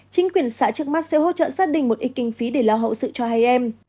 chính quyền xã trước mắt sẽ hỗ trợ gia đình một ít kinh phí để lo hậu sự cho hai em